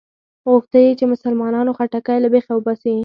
غوښته یې چې مسلمانانو خټکی له بېخه وباسي.